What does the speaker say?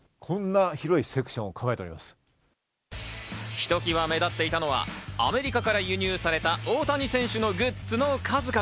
ひときわ目立っていたのはアメリカから輸入された、大谷選手のグッズの数々。